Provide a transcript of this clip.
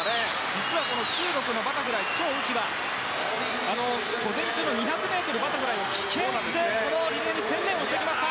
実は中国のバタフライチョウ・ウヒは午前中の２００ｍバタフライを棄権してこのリレーに専念してきました。